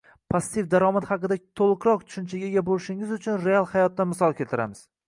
Passiv daromad haqida to’liqroq tushunchaga ega bo’lishingiz uchun real hayotdan misol keltiramiz